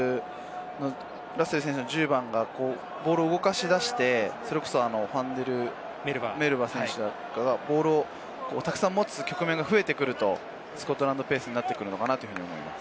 ラッセル選手・１０番がボールを動かしだして、それこそファンデルメルヴァ選手とかがボールをたくさん持つ局面がたくさん増えてくるとスコットランドペースになってくるのかなと思います。